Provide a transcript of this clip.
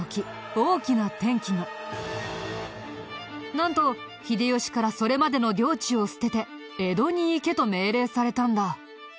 なんと秀吉からそれまでの領地を捨てて江戸に行けと命令されたんだ。